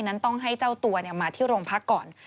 นั้นต้องให้เจ้าตัวมาที่โรงพักก่อน